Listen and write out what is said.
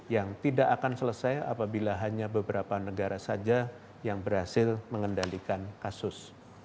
yang tidak akan selesai apabila hanya beberapa negara saja yang berhasil mengendalikan kasus